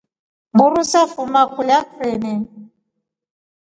Mburu safuma kulya krini.